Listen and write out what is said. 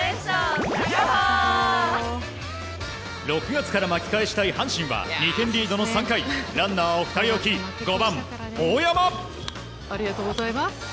６月から巻き返したい阪神は２点リードの３回ランナーを２人置き５番、大山。